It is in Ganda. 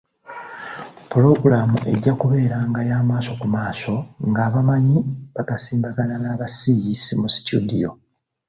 Pulogulaamu ejja kubeeranga ya maaso ku maaso ng’abamanyi bagasimbagana n’abasiiyiisi mu "studio".